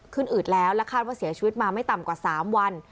อืดแล้วและคาดว่าเสียชีวิตมาไม่ต่ำกว่า๓วัน